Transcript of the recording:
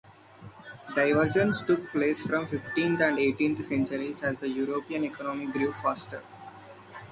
Divergence took place from fifteenth and eighteenth centuries as the European economy grew faster.